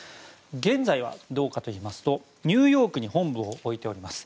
現在はどうかといいますとニューヨークに本部を置いております。